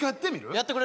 やってくれる？